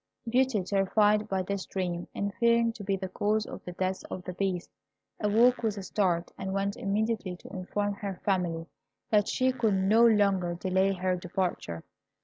Beauty, terrified by this dream, and fearing to be the cause of the death of the Beast, awoke with a start, and went immediately to inform her family that she could no longer delay her departure.